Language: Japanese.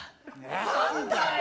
何だよ！